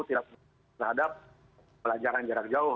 tidak terhadap pelajaran jarak jauh